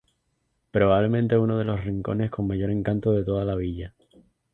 Probablemente uno de los rincones con mayor encanto de toda la villa.